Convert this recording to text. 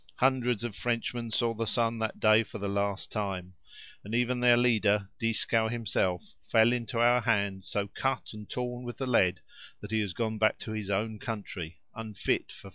Hundreds of Frenchmen saw the sun that day for the last time; and even their leader, Dieskau himself, fell into our hands, so cut and torn with the lead, that he has gone back to his own country, unfit for further acts in war."